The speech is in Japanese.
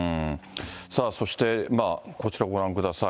さあ、そしてこちら、ご覧ください。